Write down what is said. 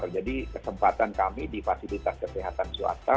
jadi kesempatan kami di fasilitas kesehatan swasta